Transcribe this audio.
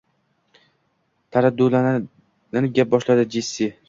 taraddudlanib gap boshladi Jessi